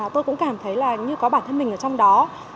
tôi cũng cảm thấy là như có bản thân mình ở trong đó